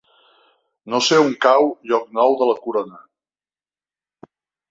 No sé on cau Llocnou de la Corona.